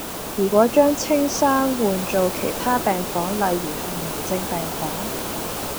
如果將青山換做其他病房例如係癌症病房